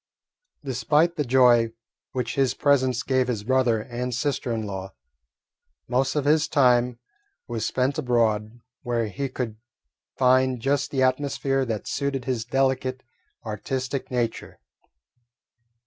Despite the joy which his presence gave his brother and sister in law, most of his time was spent abroad, where he could find just the atmosphere that suited his delicate, artistic nature.